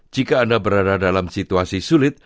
jika anda berada dalam situasi sulit